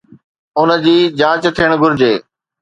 ان جي جاچ ٿيڻ گهرجي